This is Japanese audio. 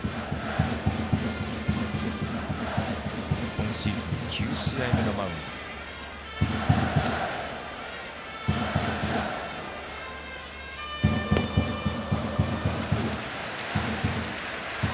今シーズン９試合目のマウンド鍵谷。